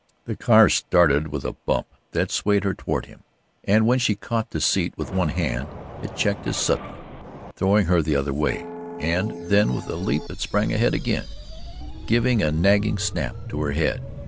The car started with a bump that swayed her toward him, and when she caught the seat with one hand, it checked as suddenly, throwing her the other way, and then with a leap it sprang ahead again, giving a nagging snap to her head.